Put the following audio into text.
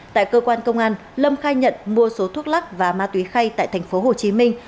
tại cơ quan công an lâm khai nhận mua số thuốc lắc và ma túy khay tại thành phố hồ chí minh